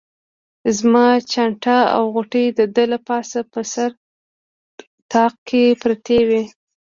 زما چانټه او غوټې د ده له پاسه په سر طاق کې پرتې وې.